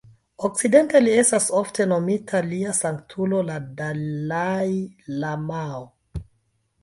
Okcidente, li estas ofte nomita "Lia Sanktulo la Dalai-lamao".